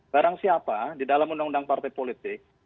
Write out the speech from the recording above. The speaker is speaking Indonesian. barang siapa di dalam undang undang partai politik